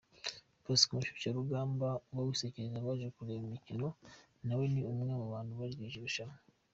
Bosco umushyushyarugamba uba wisekereza abaje kureba imikino nawe ni umwe mu bantu baryoheje irushanwa.